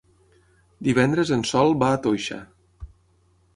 Divendres en Sol va a Toixa.